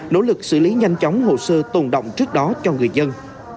nỗ lực xử lý nhanh chóng hồ sơ tồn động trước đó cho người dân